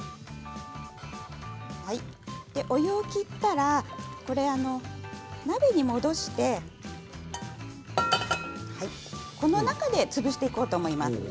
お湯を切ったら鍋に戻してこの中で潰していこうと思います。